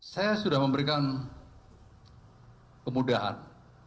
saya sudah memberikan kemudahan